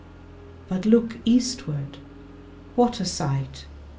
But look eastward! What a sight!